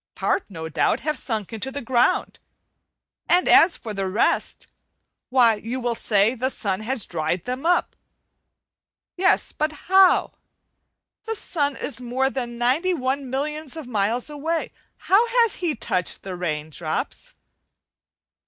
Part no doubt have sunk into the ground, and as for the rest, why you will say the sun has dried them up. Yes, but how? The sun is more than ninety one millions of miles away; how has he touched the rain drops?